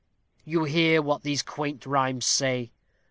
You hear what these quaint rhymes say.